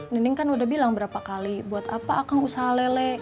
nining kan udah bilang berapa kali buat apa akan usaha lele